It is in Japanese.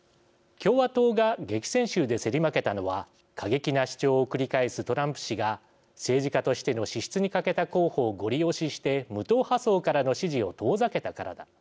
共和党が激戦州で競り負けたのは過激な主張を繰り返すトランプ氏が、政治家としての資質に欠けた候補をごり押しして無党派層からの支持を遠ざけたからだ。